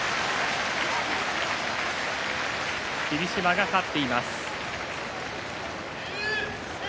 霧島が勝っています。